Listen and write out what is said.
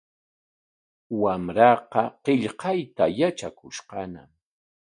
Wamraaqa qillqayta yatrakushqañam.